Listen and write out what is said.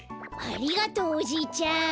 ありがとうおじいちゃん。